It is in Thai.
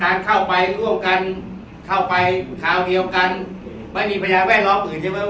การเข้าไปร่วมกันเข้าไปทางเดียวกันไม่มีพยานแวดล้อมอื่นใช่ไหม